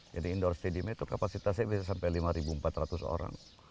jadi indoor stadiumnya itu kapasitasnya bisa sampai lima empat ratus orang